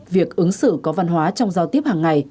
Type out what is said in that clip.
việc ứng xử có văn hóa trong giao tiếp hàng ngày